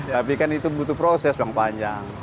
tapi kan itu butuh proses yang panjang